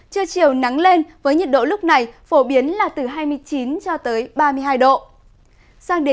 trưa chiều nắng lên với nhiệt độ lúc này phổ biến là từ hai mươi chín cho tới ba mươi hai độ